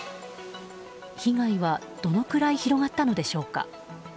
被害はどのくらい広がったのでしょうか。